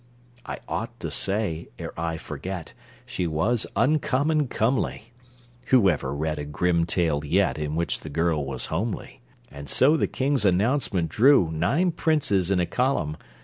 I ought to say, ere I forget, She was uncommon comely (Who ever read a Grimm tale yet, In which the girl was homely?) And so the King's announcement drew Nine princes in a column.